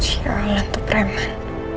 si allah tuh premen